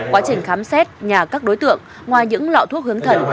quá trình khám xét nhà các đối tượng ngoài những lọ thuốc hướng thần